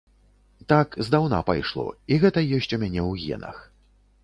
Так здаўна пайшло, і гэта ёсць у мяне ў генах.